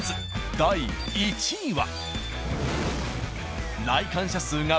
第１位は。